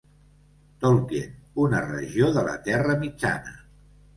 Tolkien, una regió de la Terra Mitjana.